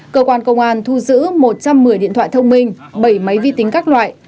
cơ quan công an thu giữ một trăm một mươi điện thoại thông minh bảy máy vi tính các loại